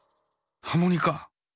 ハモニカ。